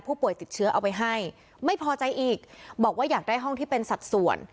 ป่วยติดเชื้อเอาไปให้ไม่พอใจอีกบอกว่าอยากได้ห้องที่เป็นสัดส่วน